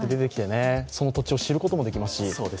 その土地を知ることもできますし。